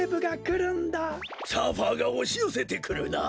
サーファーがおしよせてくるな。